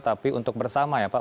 tapi untuk bersama ya pak